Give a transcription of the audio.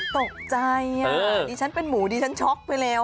ตกใจดิฉันเป็นหมูดิฉันช็อกไปแล้ว